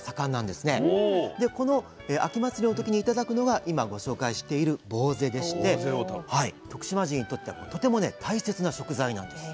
でこの秋祭りの時に頂くのが今ご紹介しているぼうぜでして徳島人にとってはとてもね大切な食材なんです。